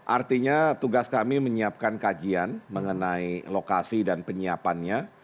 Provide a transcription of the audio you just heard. artinya tugas kami menyiapkan kajian mengenai lokasi dan penyiapannya